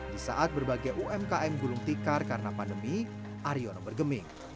di saat berbagai umkm gulung tikar karena pandemi aryono bergeming